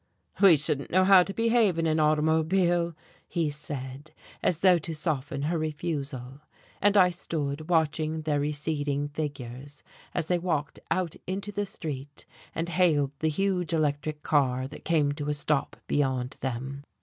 "We shouldn't know how to behave in an automobile," he said, as though to soften her refusal. And I stood watching their receding figures as they walked out into the street and hailed the huge electric car that came to a stop beyond them.